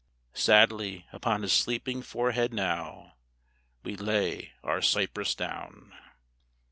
Sadly upon his sleeping forehead now We lay our cypress down.